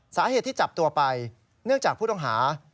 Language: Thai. สาเหตุที่จับตัวไปเนื่องจากผู้ต้องหา